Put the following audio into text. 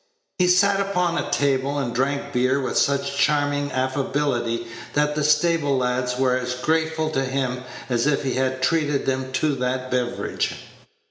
He sat upon a table and drank beer with such charming affability that the stable lads were as grateful to him as if he had treated them to that beverage.